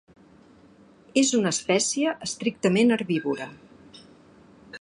És una espècie estrictament herbívora.